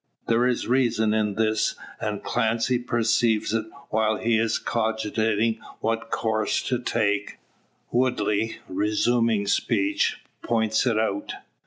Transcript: There is reason in this, and Clancy perceives it. While he is cogitating what course to take, Woodley, resuming speech, points it out.